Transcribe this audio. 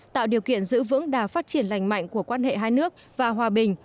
tạo điều kiện giữ vững đà phát triển lành mạnh của quan hệ hai nước và hòa bình